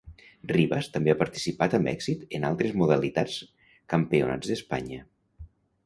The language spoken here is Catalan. Rivas també ha participat amb èxit en altres modalitats Campionats d'Espanya.